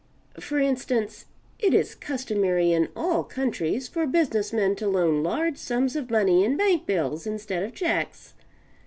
For instance, it is customary in all countries for business men to loan large sums of money in bank bills instead of checks.